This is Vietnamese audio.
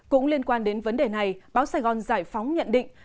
cũng liên quan đến vấn đề này báo sài gòn giải phóng nhận định